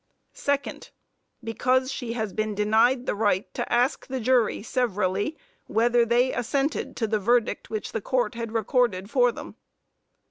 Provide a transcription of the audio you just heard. Second Because she has been denied the right to ask the jury severally whether they assented to the verdict which the court had recorded for them.